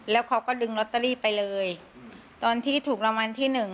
แล้วเขาก็ดึงลอตเตอรี่ไปเลยตอนที่ถูกรางวัลที่หนึ่ง